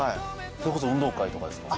それこそ運動会とかですか？